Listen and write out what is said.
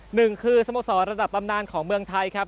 หนึ่งคือสโมสรระดับตำนานของเมืองไทยครับ